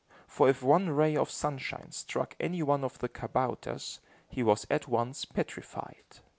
For if one ray of sunshine struck any one of the kabouters, he was at once petrified.